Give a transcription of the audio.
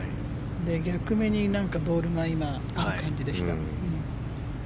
逆目にボールが今、ある感じでした。